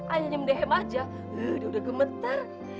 ayahnya mendehem aja dia udah gemeter